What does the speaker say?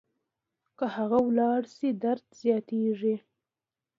که هغه لاړه شي درد زیاتېږي.